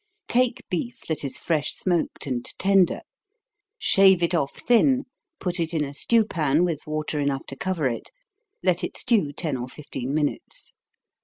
_ Take beef that is fresh smoked and tender shave it off thin, put it in a stew pan, with water enough to cover it let it stew ten or fifteen minutes.